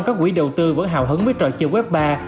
các quỹ đầu tư vẫn hào hứng với trò chơi web ba